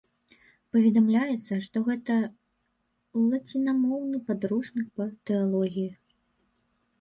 Паведамляецца, што гэта лацінамоўны падручнік па тэалогіі.